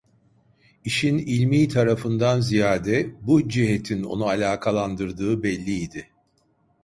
İşin ilmi tarafından ziyade bu cihetin onu alakalandırdığı belli idi.